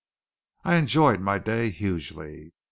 I enjoyed my day hugely.